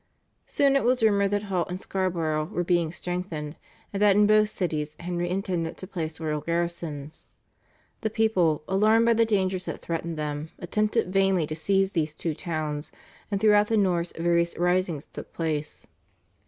Soon it was rumoured that Hull and Scarborough were being strengthened, and that in both cities Henry intended to place royal garrisons. The people, alarmed by the dangers that threatened them, attempted vainly to seize these two towns, and throughout the north various risings took place.